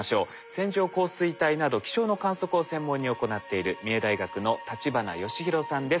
線状降水帯など気象の観測を専門に行っている三重大学の立花義裕さんです。